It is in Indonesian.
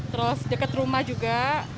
terus dekat rumah juga